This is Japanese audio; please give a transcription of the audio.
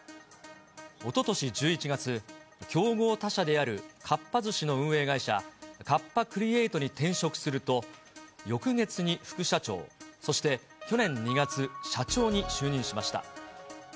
おととし１１月、競合他社であるかっぱ寿司の運営会社、カッパ・クリエイトに転職すると、翌月に副社長、そして去年２月、社長に就任しました。